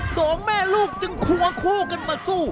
สองแม่ลูกจึงควงคู่กันมาสู้